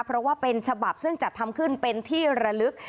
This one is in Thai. เพราะว่าเป็นฉบับซึ่งจัดทำขึ้นเป็นที่ระลึก